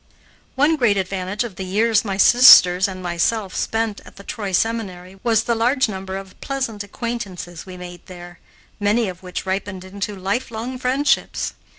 One great advantage of the years my sisters and myself spent at the Troy Seminary was the large number of pleasant acquaintances we made there, many of which ripened into lifelong friendships.